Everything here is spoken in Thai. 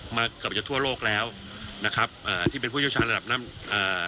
มาเกือบจะทั่วโลกแล้วนะครับอ่าที่เป็นผู้เชี่ยวชาญระดับน้ำอ่า